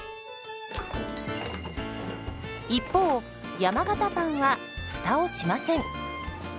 一方山型パンはフタをしません。